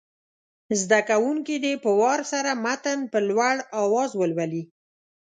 زده کوونکي دې په وار سره متن په لوړ اواز ولولي.